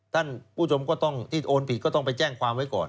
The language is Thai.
ท่านผู้ชมก็ต้องที่โอนผิดก็ต้องไปแจ้งความไว้ก่อน